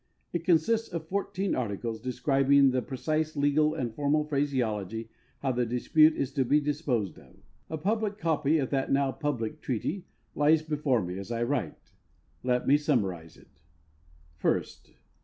It consists of 14 articles, describing in precise legal and formal phraseology how the dispute is to be disposed of. A printed cop}'' of that now public treaty lies before nie as I write. Let me summarize it. First.